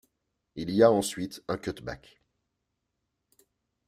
Il y a ensuite un cutback.